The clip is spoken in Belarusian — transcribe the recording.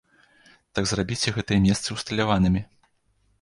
Так зрабіце гэтыя месцы усталяванымі!